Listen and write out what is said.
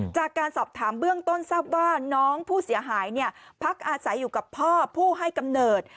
จากการสอบถามเบื้องต้นทราบว่าน้องผู้เสียหายพักอาศัยอยู่กับพ่อผู้ให้กำเนิด